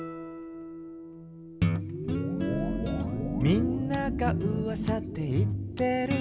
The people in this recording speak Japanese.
「みんながうわさでいってる」